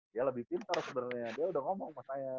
dia lebih pintar sebenernya dia udah ngomong pasalnya